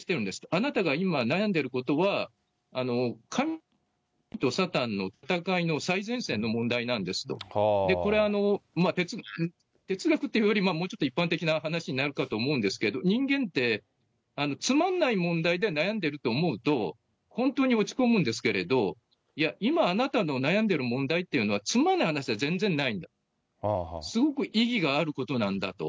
あなたが今、悩んでることは、神とサタンの戦いの最前線の問題なんですと、これ、哲学っていうより、もうちょっと一般的な話になるかと思うんですけど、人間って、つまんない問題で悩んでると思うと、本当に落ち込むんですけれど、いや、今あなたの悩んでる問題というのは、つまらない話では全然ないんだと、すごく意義があることなんだと。